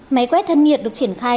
máy quét thân nhiệt được triển khai